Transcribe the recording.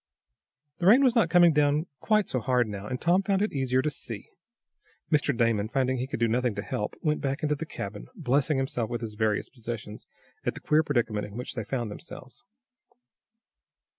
The rain was not coming down quite so hard now, and Tom found it easier to see. Mr. Damon, finding he could do nothing to help, went back into the cabin, blessing himself and his various possessions at the queer predicament in which they found themselves.